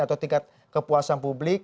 atau tingkat kepuasan publik